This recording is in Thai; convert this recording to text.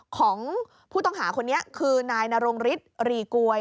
ของผู้ต้องหาคนนี้คือนายนรงฤทธิรีกวย